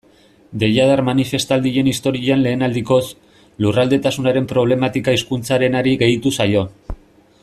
Deiadar manifestaldien historian lehen aldikoz, lurraldetasunaren problematika hizkuntzarenari gehitu zaio.